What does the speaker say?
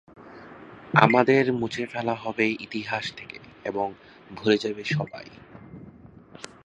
আমাদের মুছে ফেলা হবে ইতিহাস থেকে এবং ভুলে যাবে সবাই।